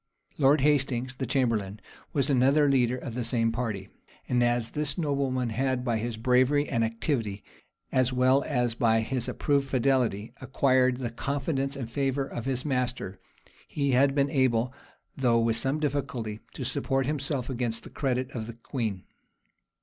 Lord Hastings, the chamberlain, was another leader of the same party; and as this nobleman had, by his bravery and activity, as well as by his approved fidelity, acquired the confidence and favor of his master, he had been able, though with some difficulty, to support himself against the credit of the queen.